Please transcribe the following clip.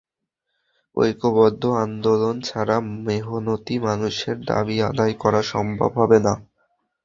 ঐক্যবদ্ধ আন্দোলন ছাড়া মেহনতি মানুষের দাবি আদায় করা সম্ভব হবে না।